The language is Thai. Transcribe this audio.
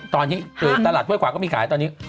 ตอนนี้ตลาดห้วยขวาก็มีขายตอนนี้